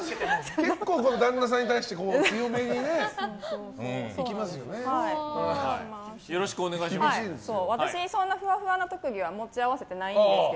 結構、旦那さんに対して強めにいきますよね。